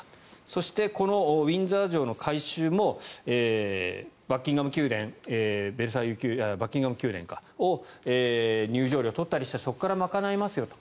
そしてこのウィンザー城の改修もバッキンガム宮殿を入場料取ったりしてそこから賄いますよと。